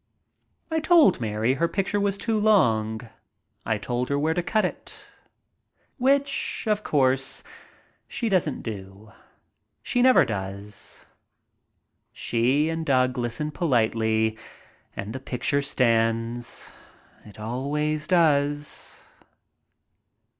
I told Mary her picture was too long. I told her where to cut it. Which, of course, she doesn't do. She never does. She and Doug listen politely and the picture stands. It always does.